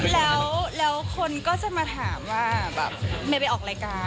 แล้วคนก็จะมาถามว่าแบบเมย์ไปออกรายการ